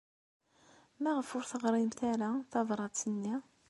Maɣef ur teɣrimt ara tabṛat-nni?